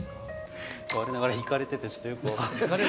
われながらいかれてて、ちょっとよく分からない。